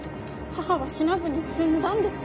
母は死なずに済んだんです！